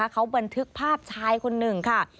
เขาบันทึกภาพชายคนหนึ่งค่ะ